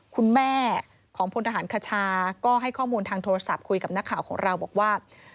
คุณแม่ของพลทหารคชาก็ให้ข้อมูลทางโทรศัพท์คุยกับนักข่าวของเราบอกว่า